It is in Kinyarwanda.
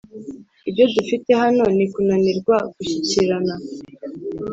ibyo dufite hano ni kunanirwa gushyikirana.